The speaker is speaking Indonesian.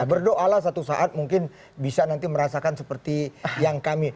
berdoa lah satu saat mungkin bisa nanti merasakan seperti yang kami